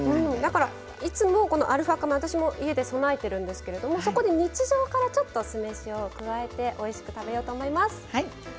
いつも、アルファ化米、私も家で備えてるんですけども日常から酢飯を加えておいしく食べようと思います。